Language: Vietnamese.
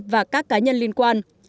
và các cá nhân liên quan